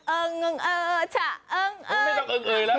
เอิงเอิงเออชาเอิงเอิง